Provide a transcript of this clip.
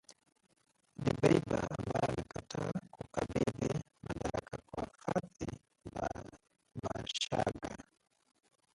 Dbeibah ambaye amekataa kukabidhi madaraka kwa Fathi Bashagha.